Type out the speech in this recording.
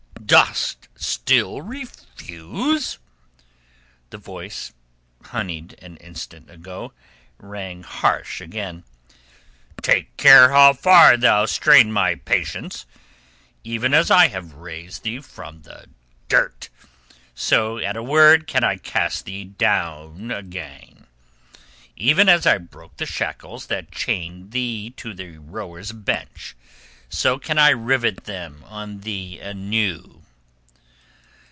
"Dost still refuse?" The voice, honeyed an instant ago, rang harsh again. "Take care how far thou strain my patience. Even as I have raised thee from the dirt, so at a word can I cast thee down again. Even as I broke the shackles that chained thee to the rowers' bench, so can I rivet them on thee anew."